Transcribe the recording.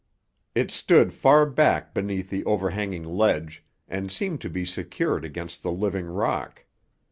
It stood far back beneath the over hanging ledge and seemed to be secured against the living rock.